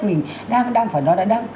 mình đang đang phải nói là